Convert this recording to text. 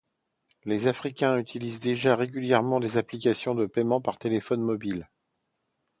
Les Africains utilisent déjà régulièrement des applications de paiement par téléphone mobile.